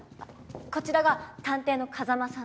こちらが探偵の風真さんで。